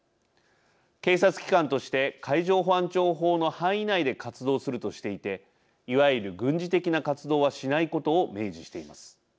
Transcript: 警察機関として海上保安庁法の範囲内で活動するとしていていわゆる軍事的な活動はしないことを明示しています。